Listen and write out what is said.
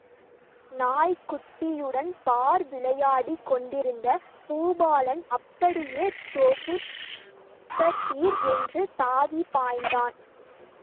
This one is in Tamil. நாய்க்குட்டியுடன் பார் விளையாடிக் கொண்டிருந்த பூபாலன் அப்படியே தொபுகடீர் என்று தாவிப் பாய்ந்தான்.